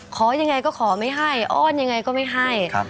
ขอยังไงก็ขอไม่ให้อ้อนยังไงก็ไม่ให้